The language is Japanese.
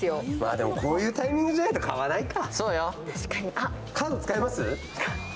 でも、こういうタイミングじゃないと買わないか。